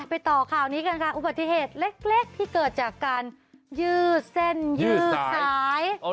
ต่อข่าวนี้กันค่ะอุบัติเหตุเล็กที่เกิดจากการยืดเส้นยืดสาย